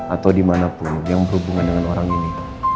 atau dimanapun yang berhubungan dengan orang ini